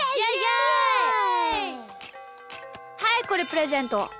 はいこれプレゼント。